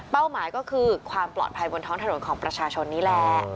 หมายก็คือความปลอดภัยบนท้องถนนของประชาชนนี่แหละ